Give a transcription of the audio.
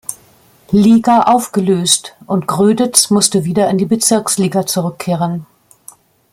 Liga aufgelöst und Gröditz musste wieder in die Bezirksliga zurückkehren.